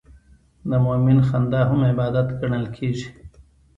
د مؤمن خندا هم عبادت ګڼل کېږي.